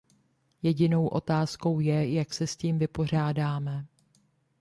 Jedinou otázkou je, jak se s tím vypořádáme.